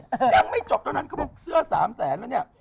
ยังไม่จบเท่านั้นเขาบอกเสื้อ๓แสนแล้วเนี่ย